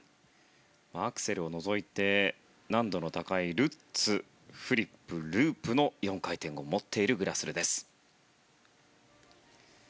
アクセルを除いて難度の高いルッツ、フリップ、ループの４回転を持っているグラスルです。